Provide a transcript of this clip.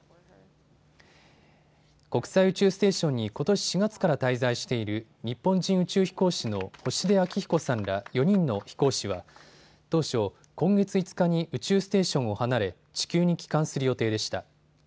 国際宇宙ステーションにことし４月から滞在している日本人宇宙飛行士の星出彰彦さんら４人の飛行士は当初、今月５日に宇宙ステーションを離れ地球に帰還する予定でした。